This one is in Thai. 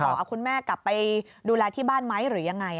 เอาคุณแม่กลับไปดูแลที่บ้านไหมหรือยังไง